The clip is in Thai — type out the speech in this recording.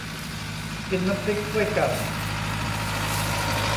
กินน้ำพริกถ้วยเก่า